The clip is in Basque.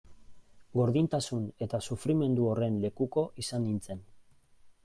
Gordintasun eta sufrimendu horren lekuko izan nintzen.